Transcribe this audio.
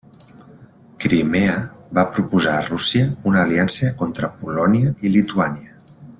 Crimea va proposar a Rússia una aliança contra Polònia i Lituània.